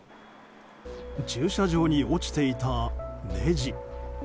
駐車場に落ちていた、ねじ。